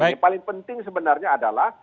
yang paling penting sebenarnya adalah